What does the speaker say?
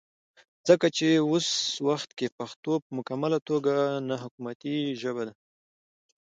ځکه چې وس وخت کې پښتو پۀ مکمله توګه نه حکومتي ژبه ده